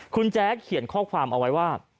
คุณแจ๊คเขียนข้อความเอาไว้ว่า